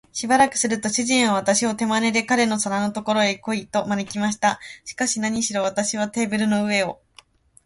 しばらくすると、主人は私を手まねで、彼の皿のところへ来い、と招きました。しかし、なにしろ私はテーブルの上を